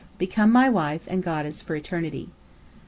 Become My Wife (and) Goddess (for) Eternity.